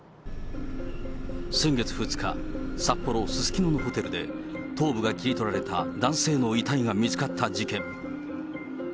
先月２日、札幌・すすきののホテルで頭部が切り取られた男性の遺体が見つかった事件。